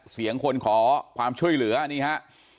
เสียงคนขอความช่วยเหลือนี่ฮะ